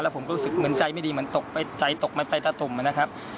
แล้วผมก็รู้สึกเหมือนใจไม่ดีจนตกไปใจจมูก